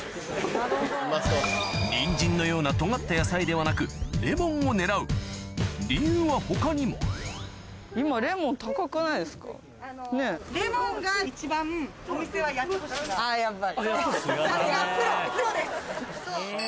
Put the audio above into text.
ニンジンのようなとがった野菜ではなくレモンを狙う理由は他にもあぁやっぱり。